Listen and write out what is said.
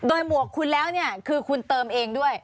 โดยหมวกคุณแล้วเนี่ยคือคุณเติมเองด้วย